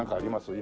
今。